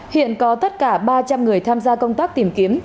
hiện có tất cả ba trăm linh người tham gia công tác tìm kiếm